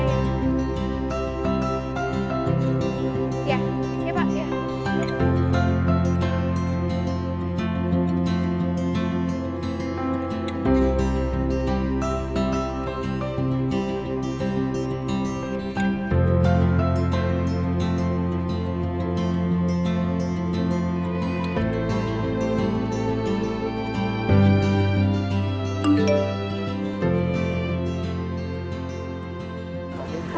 iya ya pak ya